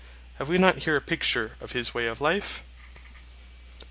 Have we not here a picture of his way of life?